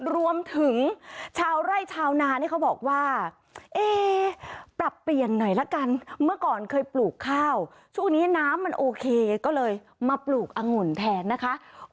รวมถึงชาวไร่ชาวนานี่เขาบอกว่าเอ๊ปรับเปลี่ยนหน่อยละกันเมื่อก่อนเคยปลูกข้าวช่วงนี้น้ำมันโอเคก็เลยมาปลูกอังุ่นแทนนะคะ